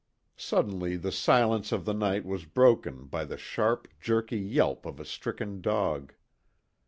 Suddenly the silence of the night was broken by the sharp jerky yelp of a stricken dog.